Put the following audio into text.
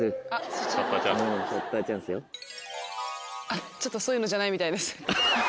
あっちょっとそういうのじゃないみたいです。